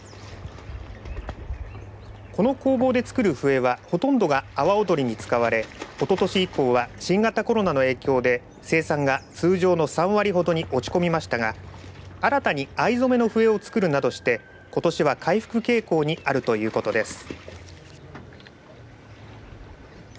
この工房で作る笛はほとんどが阿波おどりに使われおととし以降は新型コロナの影響で生産が通常の３割ほどに落ち込みましたが新たに藍染めの笛を作るなどしてことしは回復傾向にあるということです。